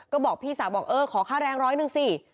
ก็บอกพี่สาวขอค่าแรงร้อยนึงสิ